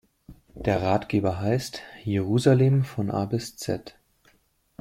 Der Ratgeber heißt: Jerusalem von A bis Z.